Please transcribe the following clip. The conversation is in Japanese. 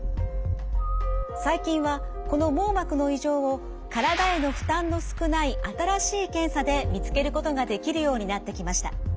最近はこの網膜の異常を体への負担の少ない新しい検査で見つけることができるようになってきました。